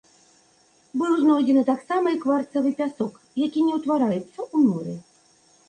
Быў знойдзены таксама і кварцавы пясок, які не ўтвараецца ў моры.